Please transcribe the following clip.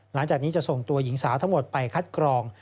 หลังจากนี้จะส่งตัวหญิงสาวทั้งหมดไปคัดกรอง